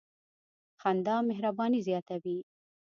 • خندا مهرباني زیاتوي.